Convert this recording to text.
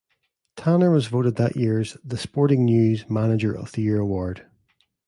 Tanner was voted that year's "The Sporting News" Manager of the Year Award.